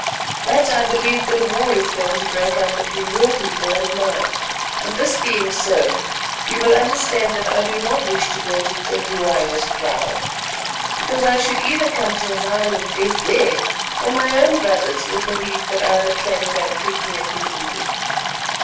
But I believe that a war is going to break out between your people and mine; and this being so, you will understand that I do not wish to go to Cetywayo's kraal, because I should either come to a violent death there, or my own brothers will believe that I am a traitor and treat me accordingly.